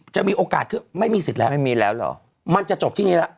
จะมีโอกาสคือไม่มีสิทธิ์แล้วไม่มีแล้วเหรอมันจะจบที่นี้แล้ว